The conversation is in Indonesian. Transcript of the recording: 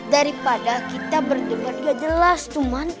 daripada kita berdua gak jelas cuman